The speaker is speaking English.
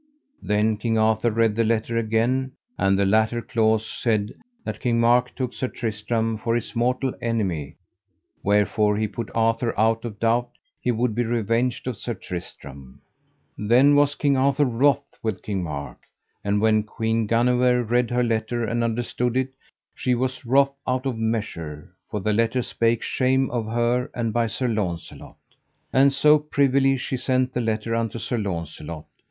Then King Arthur read the letter again, and the latter clause said that King Mark took Sir Tristram for his mortal enemy; wherefore he put Arthur out of doubt he would be revenged of Sir Tristram. Then was King Arthur wroth with King Mark. And when Queen Guenever read her letter and understood it, she was wroth out of measure, for the letter spake shame by her and by Sir Launcelot. And so privily she sent the letter unto Sir Launcelot.